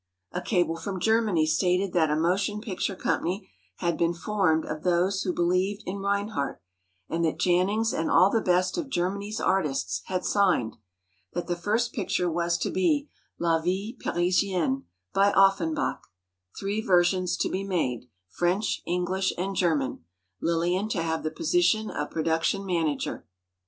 '" A cable from Germany stated that a motion picture company had been formed of those who believed in Reinhardt, and that Jannings and all the best of Germany's artists had signed; that the first picture was to be "La Vie Parisienne," by Offenbach—three versions to be made, French, English and German, Lillian to have the position of production manager.